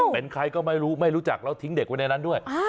เป็นใครก็ไม่รู้ไม่รู้จักแล้วทิ้งเด็กไว้ในนั้นด้วย